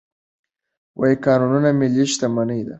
کانونه ملي شتمني ده.